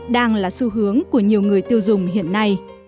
đang là xu hướng của nhiều người tiêu dùng hiện nay